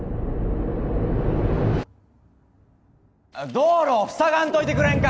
道路を塞がんといてくれんか